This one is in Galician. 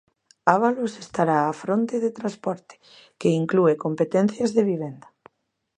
Ábalos estará á fronte de Transporte, que inclúe competencias de Vivenda.